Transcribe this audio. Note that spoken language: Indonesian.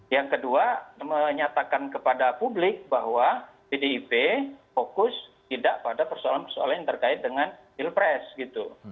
yang kedua menyatakan kepada publik bahwa pdip fokus tidak pada persoalan persoalan yang terkait dengan pilpres gitu